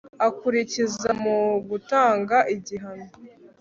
akurikiza mu gutanga igihano